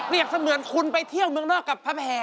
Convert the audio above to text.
เสมือนคุณไปเที่ยวเมืองนอกกับพระแห่